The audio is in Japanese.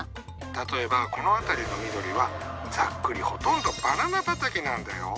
例えばこの辺りの緑はざっくりほとんどバナナ畑なんだよ。